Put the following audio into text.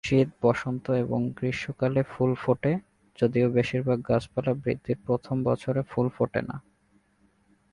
শীত, বসন্ত এবং গ্রীষ্মকালে ফুল ফোটে, যদিও বেশিরভাগ গাছপালা বৃদ্ধির প্রথম বছরে ফুল ফোটে না।